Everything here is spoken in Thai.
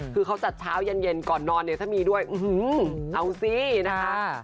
คือเขาจัดเช้าเย็นก่อนนอนเนี่ยถ้ามีด้วยเอาสินะคะ